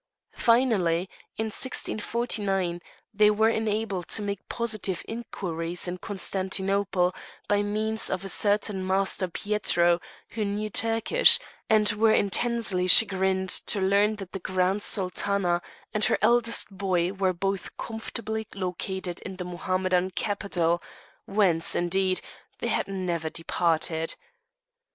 Finally, in 1649, they were enabled to make positive inquiries in Constantinople, by means of a certain Master Pietro, who knew Turkish; and were intensely chagrined to learn that the Grand Sultana and her eldest boy were both comfortably located in the Mohammedan capital, whence, indeed, they had never departed.